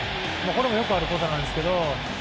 よくあることなんですけど。